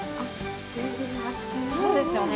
そうですよね。